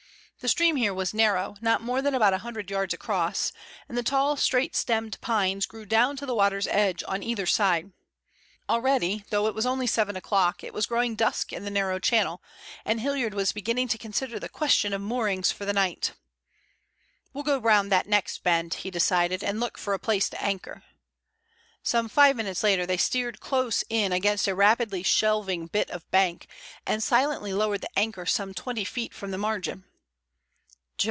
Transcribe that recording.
The stream here was narrow, not more than about a hundred yards across, and the tall, straight stemmed pines grew down to the water's edge on either side. Already, though it was only seven o'clock, it was growing dusk in the narrow channel, and Hilliard was beginning to consider the question of moorings for the night. "We'll go round that next bend," he decided, "and look for a place to anchor." Some five minutes later they steered close in against a rapidly shelving bit of bank, and silently lowered the anchor some twenty feet from the margin.